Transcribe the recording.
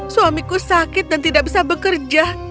suamiku sakit dan tidak bisa bekerja